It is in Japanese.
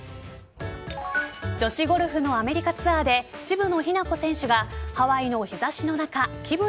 女子ゴルフのアメリカツアーで渋野日向子選手がハワイの日差しの中気分